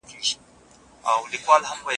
اوس دا لاره یوازې په بریتانیا کې شته.